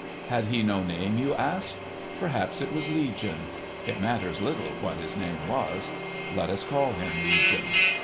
Had he no name, you ask ? Perhaps it was Legion. It matters little what his name was. Let us call him Legion.